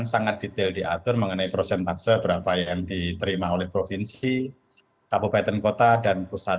sangat detail diatur mengenai prosentase berapa yang diterima oleh provinsi kabupaten kota dan pusat